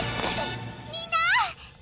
・みんなー！